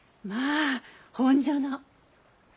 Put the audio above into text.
まあ本所の？